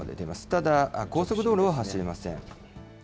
ただ、高速道路は走れません。